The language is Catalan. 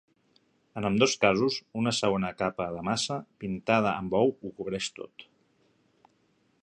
En ambdós casos, una segona capa de massa pintada amb ou ho cobreix tot.